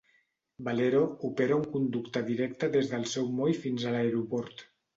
"Valero" opera un conducte directe des del seu moll fins a l'aeroport.